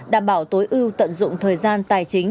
đảm bảo tối ưu tận dụng thời gian tài chính